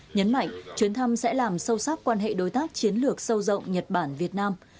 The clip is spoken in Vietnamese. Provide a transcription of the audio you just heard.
nhấn mạnh chuyến thăm sẽ làm sâu sắc quan hệ đối tác chiến lược sâu rộng nhật bản việt nam